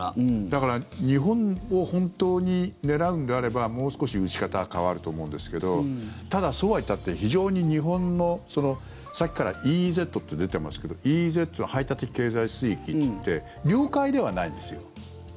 だから日本を本当に狙うのであればもう少し撃ち方は変わると思うんですけどただ、そうは言ったって非常に日本のさっきからＥＥＺって出てますけどＥＥＺは排他的経済水域といって領海ではないんですよ。